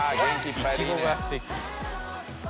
いちごがすてき。